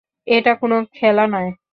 এটা কোনো খেলা নয়।